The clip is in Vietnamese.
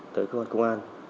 tới công an công an